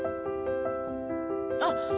あっ。